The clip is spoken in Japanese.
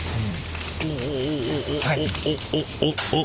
おおおおおっおっ。